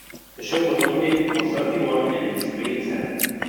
The show was nominated for thirty-one Emmys, winning seven.